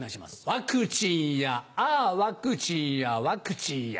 ワクチンやああワクチンやワクチンや。